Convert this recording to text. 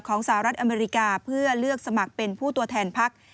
สหรัฐอเมริกาเพื่อเลือกสมัครเป็นผู้ตัวแทนพัก